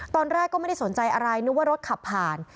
ตอนแรกก็ไม่ได้สนใจอะไรนึกว่ารถขับผ่าน